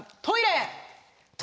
トイレ？